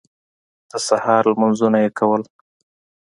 د سهار لمونځونه یې کول.